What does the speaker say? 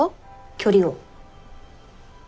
距離を。